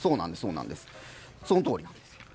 そのとおりなんです。